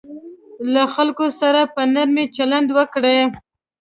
له خلکو سره په نرمي چلند وکړئ.